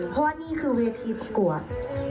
เพราะว่านี่คือเวทีประกวด